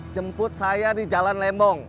jemput saya di jalan lembong